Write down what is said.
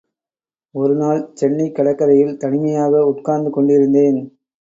ஒரு நாள் சென்னைக் கடற்கரையில் தனிமையாக உட்கார்ந்து கொண்டிருந்தேன்.